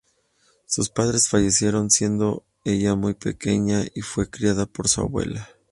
Sus padres fallecieron siendo ella muy pequeña, y fue criada por su abuela.